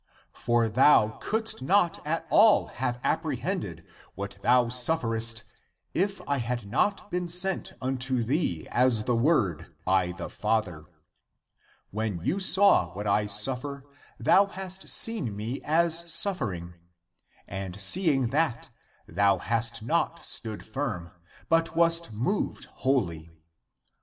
For thou couldst not at all have apprehended what thou sufferest if I had not been sent unto thee as the Word by the Father. When you saw what I suf fer, thou hast seen me as suffering ; and seeing that, thou hast not stood firm, but wast moved wholly.